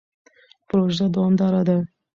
پروژه دوامداره ده.